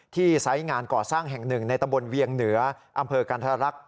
ไซส์งานก่อสร้างแห่งหนึ่งในตำบลเวียงเหนืออำเภอกันธรรักษ